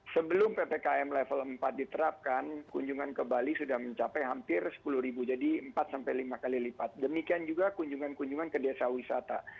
sebelum ppkm level empat diterapkan kunjungan ke bali sudah mencapai hampir sepuluh ribu jadi empat sampai lima kali lipat demikian juga kunjungan kunjungan ke desa wisata